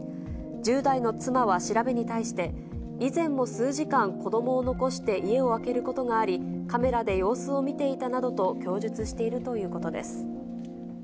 １０代の妻は調べに対して、以前も数時間、子どもを残して家を空けることがあり、カメラで様子を見ていたなどと供述しているということです。